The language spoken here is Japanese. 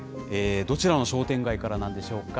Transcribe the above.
どちらの商店街からなんでしょうか。